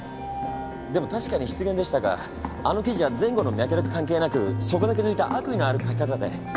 でも確かに失言でしたがあの記事は前後の脈絡関係なくそこだけ抜いた悪意のある書き方で。